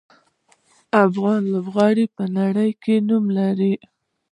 افغان لوبغاړي په نړۍ کې نوم لري.